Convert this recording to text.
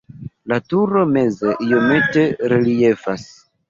La turo meze iomete reliefas.